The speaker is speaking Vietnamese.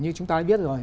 như chúng ta đã biết rồi